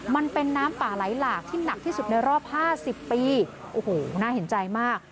มันเป็นน้ำป่าไหลหลากที่หนักที่สุดในรอบห้าสิบปีโอ้โหน่าเห็นใจมาก